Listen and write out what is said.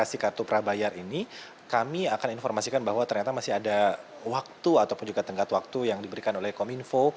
aplikasi kartu prabayar ini kami akan informasikan bahwa ternyata masih ada waktu ataupun juga tenggat waktu yang diberikan oleh kominfo